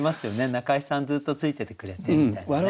仲居さんずっとついててくれてみたいなね。